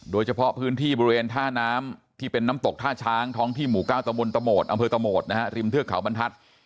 โดยเฉพาะพื้นที่บริเวณท่าน้ำที่เป็นน้ำตกท่าช้างท้องที่หมู่๙ตะมนตะโหมดอำเภอตะโหมดนะฮะริมเทือกเขาบรรทัศน์